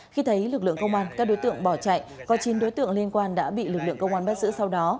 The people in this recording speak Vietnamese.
khi thấy lực lượng công an các đối tượng bỏ chạy có chín đối tượng liên quan đã bị lực lượng công an bắt giữ sau đó